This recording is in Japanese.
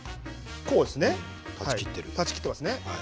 断ち切っていますね。